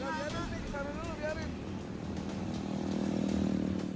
jangan jalan di sana dulu biarin